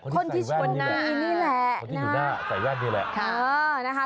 คนที่ใส่แว่นนี่แหละ